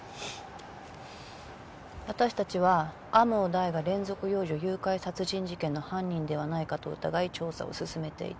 私たちは天羽大が連続幼女誘拐殺人事件の犯人ではないかと疑い調査を進めていた。